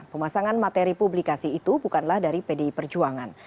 pemasangan materi publikasi itu bukanlah dari pdi perjuangan